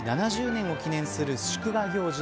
７０年を記念する祝賀行事